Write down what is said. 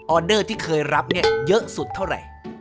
เดอร์ที่เคยรับเนี่ยเยอะสุดเท่าไหร่